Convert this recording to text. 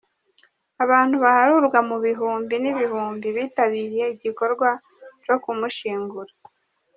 Abantu baharurwa mu bihumbi n'ibihumbi bitabiriye igikorwa co kumushingura.